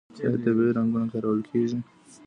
آیا طبیعي رنګونه کارول کیږي؟